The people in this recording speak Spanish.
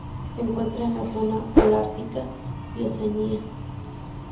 Se encuentra en la zona holártica y Oceanía.